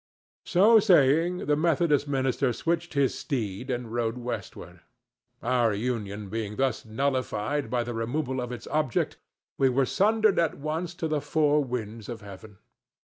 So saying, the Methodist minister switched his steed and rode westward. Our union being thus nullified by the removal of its object, we were sundered at once to the four winds of heaven.